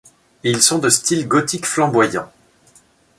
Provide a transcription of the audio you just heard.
Ils sont de style gothique flamboyant.